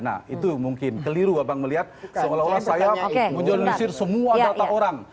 nah itu mungkin keliru abang melihat seolah olah saya menyolisir semua data orang